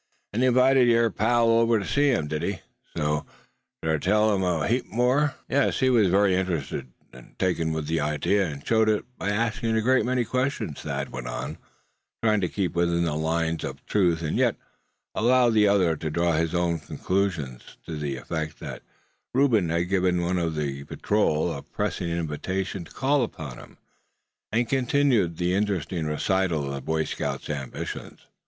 An' he 'vited yer pal over ter see him, did he, so's ter tell him a heap more?" "He was very much taken with the idea, and showed it by asking a great many questions," Thad went on; trying to keep within the lines of the truth, and yet allow the other to draw his own conclusions, to the effect that Reuben had given one of the patrol a pressing invitation to call upon him, and continue the interesting recital of the Boy Scouts' ambitions.